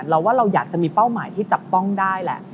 เราว่าเราอยากจะมีเป้าหมายที่จับต้องได้แหละ